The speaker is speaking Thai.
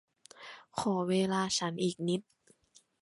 ขอเวลาฉันอีกนิด